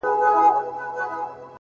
چاته د يار خبري ډيري ښې دي!!a